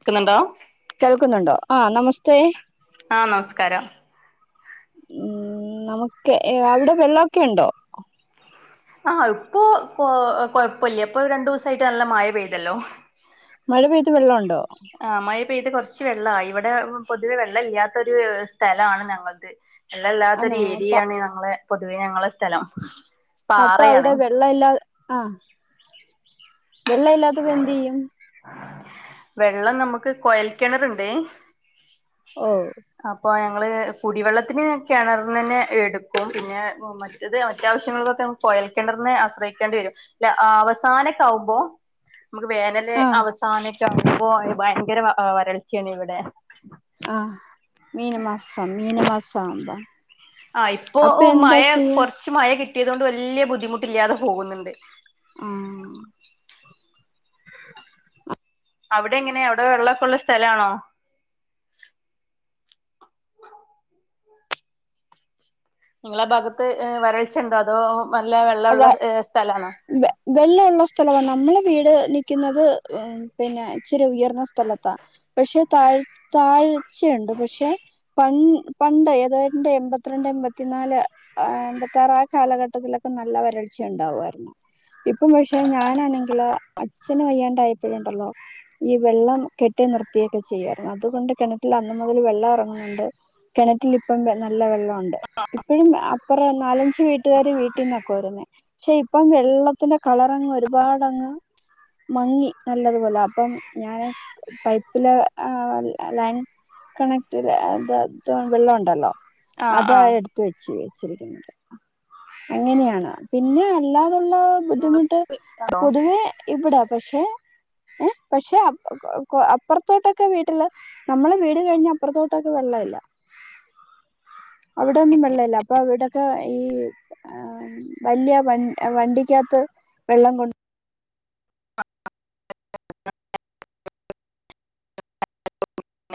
ക്കുന്നുണ്ടോ കേൾക്കുന്നുണ്ടോ ആ നമസ്തേ ആ നമസ്കാരം ഉം നമുക്ക് അവിടെ വെള്ളൊക്കെ ഉണ്ടോ ആ ഇപ്പൊ അ കൊഴപ്പഇല്ല ഇപ്പൊ രണ്ടു ദിവസായിട്ട് നല്ല മഴ പെയ്തല്ലോ മഴ പെയ്ത് വെള്ളുണ്ടോ ഇപ്പ ഇത് കുറച്ച് വെള്ള ഇവിടെ പൊതുവെ വെള്ള ഇല്ലാത്ത ഒരു സ്ഥലാണ് ഞങ്ങളടത്. വെള്ളം ഇല്ലാത്ത ആന്നോ ഒരു അപ്പ ഏരിയാണ് ഞങ്ങടെ പൊതുവേ ഞങ്ങടെ സ്ഥലം. അപ്പൊ പാറയാണ് അവിടെ വെള്ള ഇല്ലാ ആ വെള്ളവില്ലാത്തപ്പോ എന്ത് ചെയ്യും. വെള്ളം നമുക്ക് കോയൽക്കിണറുണ്ടേ. ഓ അപ്പൊ എ കുടിവെള്ളത്തിന് കിണർന്ന് തന്നെ എടുക്കും പിന്നെ മറ്റേത് മറ്റ ആവശ്യങ്ങളക്കൊക്കെ കുയൽ കിണർനെ ആശ്രയിക്കേണ്ടി വരും. ഇല്ല അവസാനൊക്കെ ആവുമ്പം നമുക്ക് വേനല ആ അവ [unintelligible] ഭയങ്കര വരൾച്ചയാണ് ഇവിടെ ആ മീന മാസം മീന മാസമാകുമ്പം ആ ഇപ്പോ മഴ കുറച്ച് മഴ കി ട്ടിയത് കൊണ്ട് വലിയ ബുദ്ധിമുട്ടില്ലാതെ പോകുന്നുണ്ട്. ആ ഉ അവിടെ എങ്ങനെയാ അവിടെ വെള്ളമൊക്കെ ഉള്ള സ്ഥലാണോ നിങ്ങളാ ഭാഗത്ത് വരൾച്ചുണ്ടോ അതോ നല്ല വെള്ളമുള്ള വെ സ്ഥലാണോ വെള്ളവൊള്ള സ്ഥലവാ നമ്മള് വീട് നിൽക്കുന്നത് പിന്നെ ഇച്ചിരി ഉയർന്ന സ്ഥലത്താ പക്ഷെ താഴ താഴ്ചയുണ്ട് പക്ഷെ പ പണ്ട് ഏതാണ്ട് എൺപത്തിരണ്ട് എൺപത്തിനാല് എൺമ്പത്തിയാറ് ആ കാലഘട്ടത്തിലൊക്കെ നല്ല വരൾച്ച ഉണ്ടാവുവാരുന്നു. ഇപ്പം പക്ഷെ ഞാനാണെങ്കില് അച്ഛന് വയ്യാണ്ടയപ്പഴുണ്ടല്ലോ ഈ വെള്ളം കെട്ടി നിർത്തിയൊക്കെ ചെയ്യമായിരുന്നു അതുകൊണ്ട് കിണറ്റിൽ അന്ന മുതൽ വെള്ളം ഇറങ്ങുന്നുണ്ട് കിണറ്റിൽ ഇപ്പം ല്ല വെള്ളം ഉണ്ട് ഇപ്പോഴും ആ അപ്പറ നാലഞ്ച് വീട്ടുകാര് വീട്ടീന്ന രുന്നെ പക്ഷെ ഇപ്പം വെള്ളത്തിന്റെ കളറങ്ങ് കോരുന്നേ. പക്ഷെ ഇപ്പം വെള്ളത്തിന്റെ കളറങ്ങ് ഒരുപാട്ങ്ങ് മങ്ങി നല്ലതുപോലെ അപ്പം ഞാന് പൈപ്പിലെ ലൈൻ കണക്ട് അത് അത് വെള്ളുണ്ടല്ലോ ആ അത ആ എടുത്ത വെച്ചു വെ ശരിക്കുന്നുത് അങ്ങനെയാണ് പിന്നെയ അല്ല ലല്ല ബുദ്ധിമുട്ട് ഞങ്ങക്ക് പൊതുവേ ഇവിട പക്ഷെ ഏ പക്ഷെ അപ്പുറത്തോട്ടൊക്കെ വീട്ടുള്ള നമ്മള് വീട് കഴിഞ്ഞ അപ്പുറത്തോട്ടൊക്കെ വെള്ള ഇല്ല അവിടെ ഒന്നും വെള്ളല്ല അപ്പ അവിടെ പ്പോ ഈ ആം വലിയ വ വണ്ടിക്കകത്ത് വെള്ളം കൊണ്ട്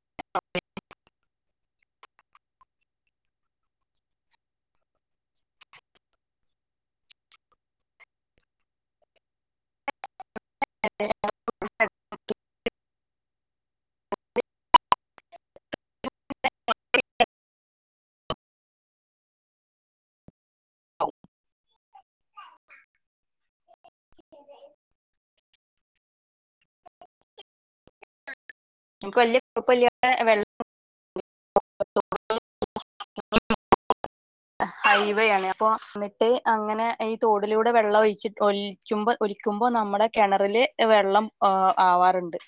[unintelligible] [unintelligible] നമുക്ക് വല്യ കുഴപ്പല് വെള്ളം [unintelligible] ഹൈവേ ആണ് അപ്പൊ എന്നിട്ട് അങ്ങനെ ഈ തോടിലൂടെ വെള്ളം ഒഴിച്ചി ഒലിക്കുമ്പോ ഒലിക്കുമ്പോ നമ്മുടെ കിണറില് വെള്ളം ആവാറുണ്ട്